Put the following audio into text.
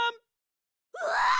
うわ！